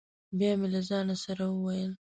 بیا مې له ځانه سره وویل: